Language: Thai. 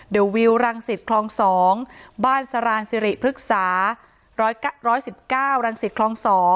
เดิววิวรังศิษย์ครอง๒บ้านสรานสิริพฤกษา๑๑๙รังศิษย์ครอง๒